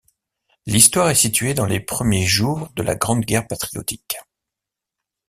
L'histoire est située dans les premiers jours de la Grande Guerre patriotique.